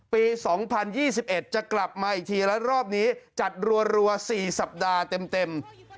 ปี๒๐๒๑จะกลับมาอีกทีแล้วรอบนี้จัดรัว๔สัปดาห์เต็ม